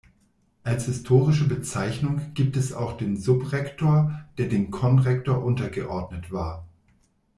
Als historische Bezeichnung gibt es auch den Subrektor, der dem Konrektor untergeordnet war.